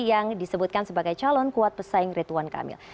yang disebutkan sebagai calon kuat pesaing ridwan kamil